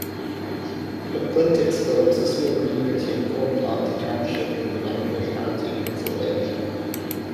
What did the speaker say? McClintocksville was a small community in Cornplanter Township in Venango County, Pennsylvania.